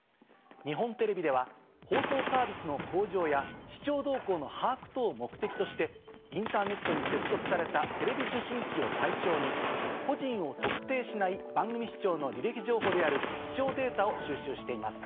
日本テレビでは放送サービスの向上や視聴動向の把握等を目的としてインターネットに接続されたテレビ受信機を対象に個人を特定しない番組視聴の履歴情報である視聴データを収集しています。